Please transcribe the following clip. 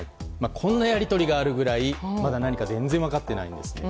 こんなやり取りがあるぐらいまだ何か全然分かってないんです。